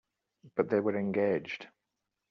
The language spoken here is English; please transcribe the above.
But they were engaged.